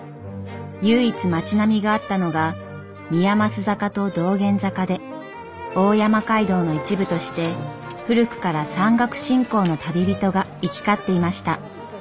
唯一町並みがあったのが宮益坂と道玄坂で大山街道の一部として古くから山岳信仰の旅人が行き交っていました。